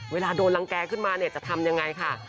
เวลาโดนรังแกขึ้นมาเนี่ยจะทำยังไงค่ะ